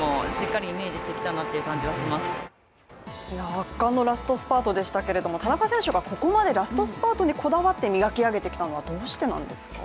圧巻のラストスパートでしたけれども、田中選手がここまでラストスパートにこだわって磨き上げてきたのはどうしてなんですか？